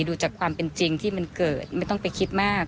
ดูจากความเป็นจริงที่มันเกิดไม่ต้องไปคิดมาก